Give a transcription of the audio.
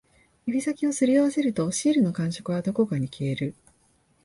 指先を擦り合わせると、シールの感触はどこかに消える